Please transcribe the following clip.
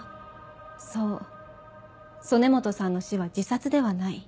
そう曽根本さんの死は自殺ではない。